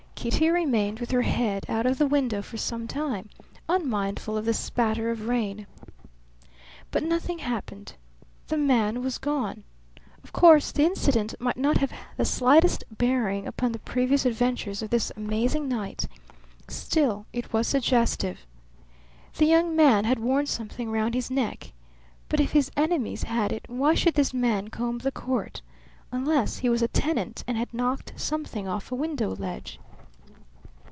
Kitty remained with her head out of the window for some time, unmindful of the spatter of rain. But nothing happened. The man was gone. Of course the incident might not have the slightest bearing upon the previous adventures of this amazing night; still, it was suggestive. The young man had worn something round his neck. But if his enemies had it why should this man comb the court, unless he was a tenant and had knocked something off a window ledge?